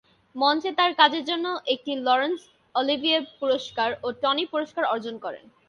মঞ্চে তার কাজের জন্য একটি লরন্স অলিভিয়ে পুরস্কার ও টনি পুরস্কার অর্জন করেন।